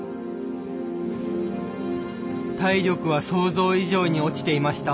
体力は想像以上に落ちていました。